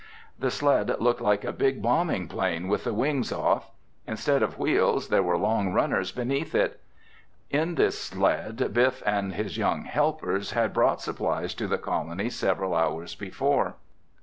The sled looked like a big bombing plane with the wings off. Instead of wheels, there were long runners beneath it. In this sled Biff and his young helpers had brought supplies to the colony several hours before.